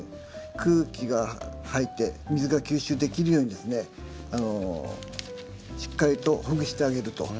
空気が入って水が吸収できるようにですねしっかりとほぐしてあげるということです。